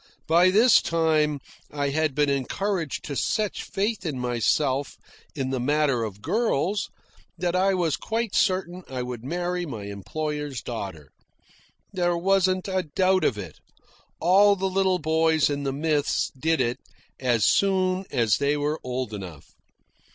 By this time I had been encouraged to such faith in myself in the matter of girls that I was quite certain I would marry my employer's daughter. There wasn't a doubt of it. All the little boys in the myths did it as soon as they were old enough.